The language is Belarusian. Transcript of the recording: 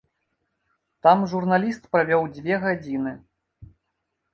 Там журналіст правёў дзве гадзіны.